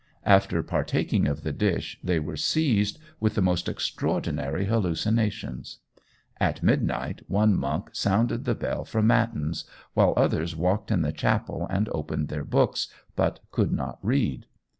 After partaking of the dish, they were seized with the most extraordinary hallucinations. At midnight one monk sounded the bell for matins, while others walked in the chapel and opened their books, but could not read.